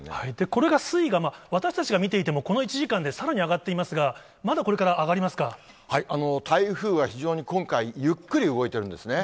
これが水位が、私たちが見ていても、この１時間で、さらに上がっていますが、まだこれから上台風は非常に今回、ゆっくり動いてるんですね。